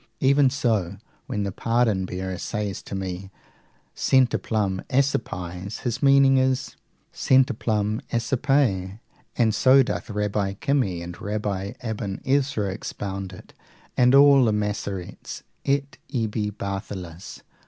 Even so, when the pardon bearer says to me, Centuplum accipies, his meaning is, Centuplum accipe; and so doth Rabbi Kimy and Rabbi Aben Ezra expound it, and all the Massorets, et ibi Bartholus.